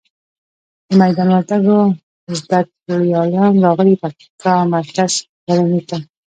د میدان وردګو زده ګړالیان راغلي پکتیکا مرکز ښرنی ته.